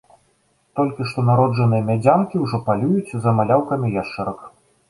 Толькі што народжаныя мядзянкі ўжо палююць за маляўкамі яшчарак.